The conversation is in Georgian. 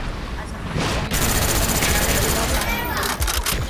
ყაზახეთის პროვინციის საზღვრები მდინარე ურალს არ მიუყვება.